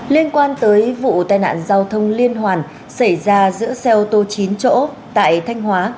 liên quan tới vụ tai nạn giao thông liên hoàn xảy ra giữa xe ô tô chín chỗ tại thanh hóa